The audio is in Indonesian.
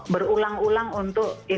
berulang ulang untuk mencari penyelesaian